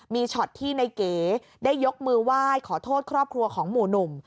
มีช็อตที่ในเก๋ได้ยกมือไหว้ขอโทษครอบครัวของหมู่หนุ่ม